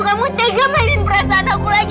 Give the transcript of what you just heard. kamu tegas mainin perasaan aku lagi